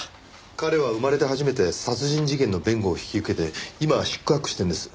彼は生まれて初めて殺人事件の弁護を引き受けて今四苦八苦しているんです。